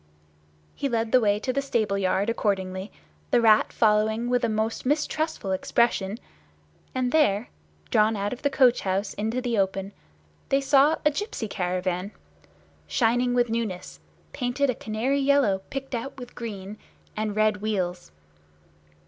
He led the way to the stable yard accordingly, the Rat following with a most mistrustful expression; and there, drawn out of the coach house into the open, they saw a gipsy caravan, shining with newness, painted a canary yellow picked out with green, and red wheels.